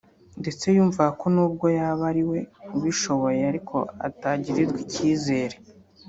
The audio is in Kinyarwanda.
ndetse yumvaga ko nubwo yaba ariwe ubishoboye ariko atagirirwa icyizere